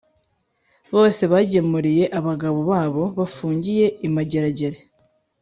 bose bagemuriye abagabo babo bafungiye I mageragere